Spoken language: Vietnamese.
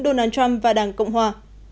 donald trump và đảng cộng hòa